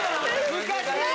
難しい。